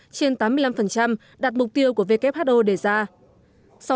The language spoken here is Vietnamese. trên tám mươi năm đạt mục tiêu của who đề ra